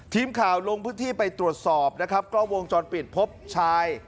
ทีมข่าวลงพื้นที่ไปตรวจสอบนะครับกล้องวงจรปิดพบชาย